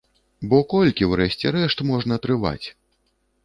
Бо колькі ў рэшце рэшт можна трываць?